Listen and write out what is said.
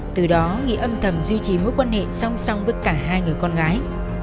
từ đó nghị âm thầm duy trì mối quan hệ song song với cả hai người con gái